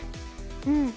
うん。